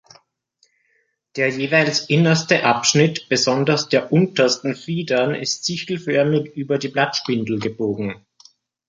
Der jeweils innerste Abschnitt besonders der untersten Fiedern ist sichelförmig über die Blattspindel gebogen.